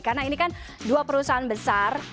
karena ini kan dua perusahaan besar